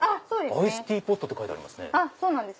「アイスティーポット」って書いてます。